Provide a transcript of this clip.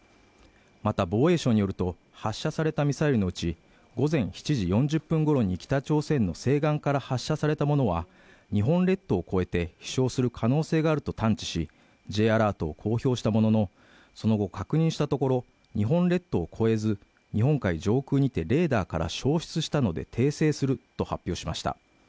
また防衛省によると発射されたミサイルのうち午前７時４０分ごろに北朝鮮の西岸から発射されたものは日本列島を越えて飛翔する可能性があると探知しＪアラートを公表したもののその後確認したところ日本列島を越えず日本海上空にてレーダーから消失したので訂正すると発表しました